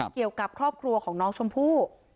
เกี่ยวกับครอบครัวของน้องชมพู่